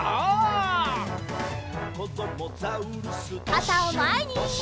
かたをまえに！